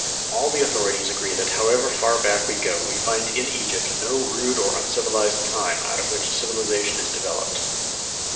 All the authorities agree that, however far back we go, we find in Egypt no rude or uncivilized time out of which civilization is developed.